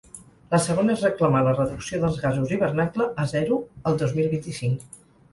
La segona és reclamar la reducció dels gasos hivernacle a zero el dos mil vint-i-cinc.